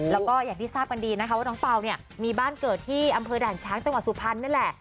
แล้วก็อย่างที่ทราบกันดีนะคะว่าน้องเปล่าเนี่ยมีบ้านเกิดที่อำเภอด่านช้างจังหวัดสุพรรณนั่นแหละ